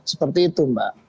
seperti itu mbak